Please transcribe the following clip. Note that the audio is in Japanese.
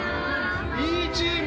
いいチーム！